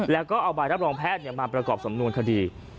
แล้วก็เอาใบรับรองแพทย์มาประกอบสำนวนคดี